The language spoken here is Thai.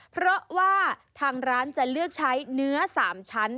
เพราะว่าทางร้านจะเลือกใช้เนื้อ๓ชั้น